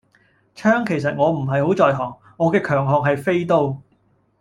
槍其實我唔係好在行，我嘅強項係飛刀